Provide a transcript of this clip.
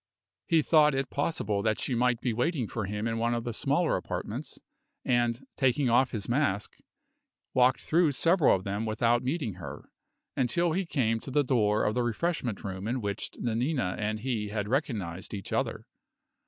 He thought it possible that she might be waiting for him in one of the smaller apartments, and, taking off his mask, walked through several of them without meeting her, until he came to the door of the refreshment room in which Nanina and he had recognized each other.